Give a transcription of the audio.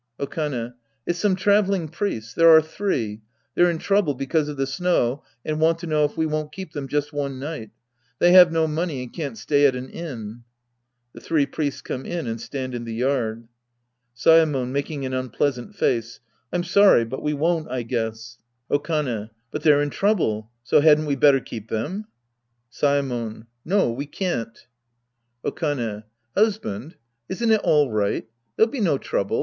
Okane. It's some traveling priests. There are three. They're in trouble because, of the snow and want to know if we won't keep them just one night. They have no money and can't stay at an inn. (J^he three priests come in and stand in the yard.) Saemon {making an unpleasant face). I'm sorry, but we won't, I guess. Okane, But they're in trouble, so hadn't we better keep them ? Saemon. No, we can't. Sc. I The Priest and His Disciples 27 Okane. Husband, isn't it all right ? They'll be no trouble.